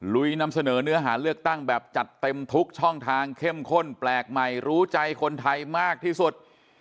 ลุยนำเสนอเนื้อหาเลือกตั้งแบบจัดเต็มทุกช่องทางเข้มข้นแปลกใหม่รู้ใจคนไทยมากที่สุด